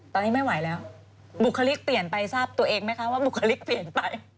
ตอนนี้ไม่ไหวแล้วบุคลิกเปลี่ยนไปทราบตัวเองไหมคะว่าบุคลิกเปลี่ยนไป